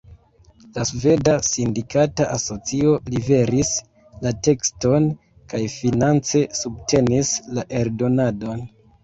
La Sveda Sindikata Asocio liveris la tekston kaj finance subtenis la eldonadon.